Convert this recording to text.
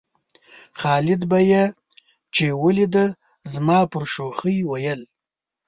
خالد به یې چې ولېده زما پر شوخۍ ویل.